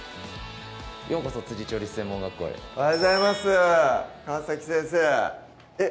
ようこそ調理師専門学校へおはようございます川先生えっ？